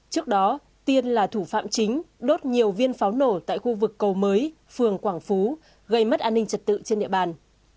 trước đó tiên là thủ phạm chính đốt nhiều viên pháo nổ tại khu vực cầu mới phường quảng phú gây mất an ninh trật tự trên địa bàn